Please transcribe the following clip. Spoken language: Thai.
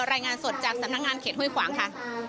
รายงานสดจากสำนักงานเขตห้วยขวางค่ะ